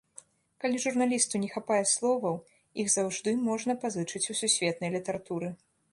Калі журналісту не хапае словаў, іх заўжды можна пазычыць у сусветнай літаратуры.